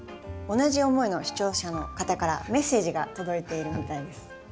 同じ思いの視聴者の方からメッセージが届いているみたいです。